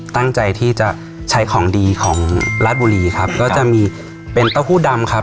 ตั้งใจที่จะใช้ของดีของราชบุรีครับก็จะมีเป็นเต้าหู้ดำครับ